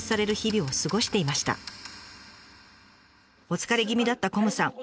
お疲れ気味だったこむさん。